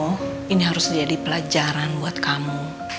oh ini harus jadi pelajaran buat kamu